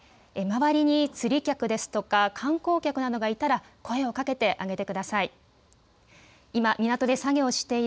周りに釣り客ですとか観光客などがいたら声をかけてあげてください。